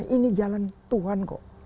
ini jalan tuhan kok